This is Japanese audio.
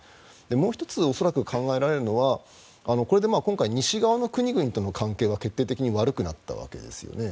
もう１つ、恐らく考えられるのは今回これで西側諸国との関係が決定的に悪くなったわけですよね。